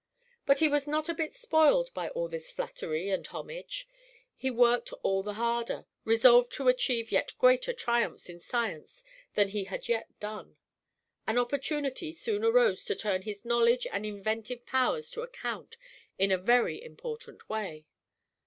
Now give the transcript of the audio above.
But he was not a bit spoiled by all this flattery and homage. He worked all the harder; resolved to achieve yet greater triumphs in science than he had yet done. An opportunity soon arose to turn his knowledge and inventive powers to account in a very important way.